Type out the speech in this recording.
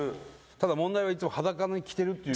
ただ問題はいつも裸で着てるっていう。